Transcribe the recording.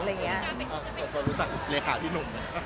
ส่วนตัวรู้จักเลขาพี่หนุ่ม